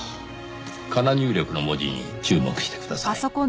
かな入力の文字に注目してください。